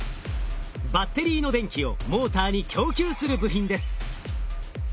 バッテリーの電気をモーターに供給する部品です。